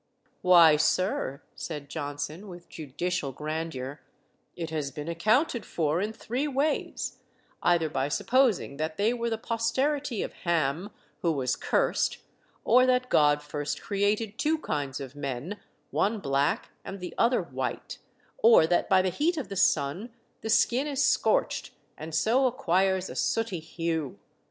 "Why, sir," said Johnson, with judicial grandeur, "it has been accounted for in three ways either by supposing that they were the posterity of Ham, who was cursed; or that God first created two kinds of men, one black and the other white; or that by the heat of the sun the skin is scorched, and so acquires a sooty hue.